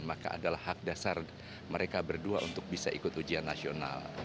maka adalah hak dasar mereka berdua untuk bisa ikut ujian nasional